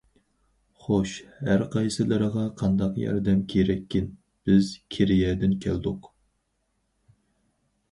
- خوش، ھەر قايسىلىرىغا قانداق ياردەم كېرەككىن؟ بىز كېرىيەدىن كەلدۇق.